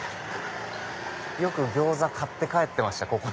よく餃子買って帰ってました。